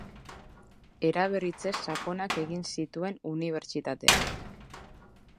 Eraberritze sakonak egin zituen unibertsitatean.